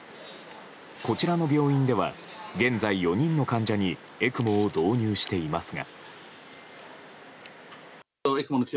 こちらの病院では現在４人の患者にＥＣＭＯを導入していますが。